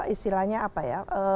istilahnya apa ya